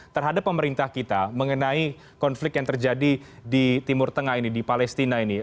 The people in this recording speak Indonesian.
terhadap pemerintah kita mengenai konflik yang terjadi di timur tengah ini di palestina ini